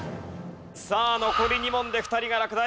さあ残り２問で２人が落第。